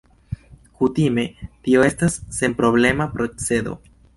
Kutime, tio estas senproblema procedo.